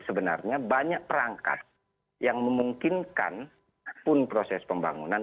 sebenarnya banyak perangkat yang memungkinkan pun proses pembangunan